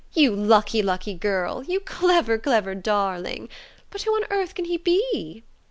"You lucky lucky girl! You clever clever darling! But who on earth can he be?"